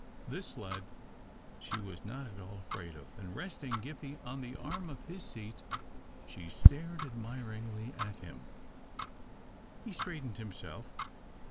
This lad she was not at all afraid of, and resting Gippie on the arm of his seat, she stared admiringly at him. He straightened himself.